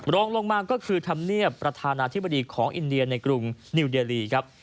รองลงมาก็คือธรรมเนียบประธานาธิบดีของอินเดียในกรุงนิวเดลีครับ